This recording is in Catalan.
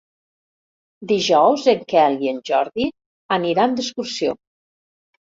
Dijous en Quel i en Jordi aniran d'excursió.